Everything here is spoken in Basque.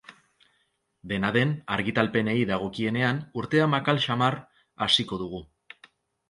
Dena den, argitalpenei dagokienean, urtea makal samar hasiko dugu.